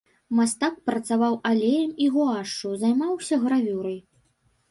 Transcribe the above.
Мастак працаваў алеем і гуашшу, займаўся гравюрай.